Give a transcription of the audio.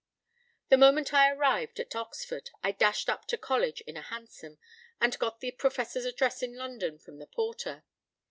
p> The moment I arrived at Oxford, I dashed up to college in a hansom, and got the Professor's address in London from the porter.